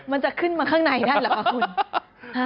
มันจะขึ้นมาข้างในด้านล่ะปะคุณ